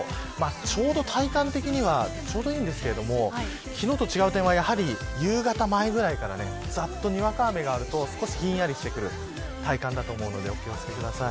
ちょうど体感的にはちょうどいいんですが昨日と違う点はやはり夕方前ぐらいからざっとにわか雨があると少しひんやりしてくる体感だと思うのでお気を付けください。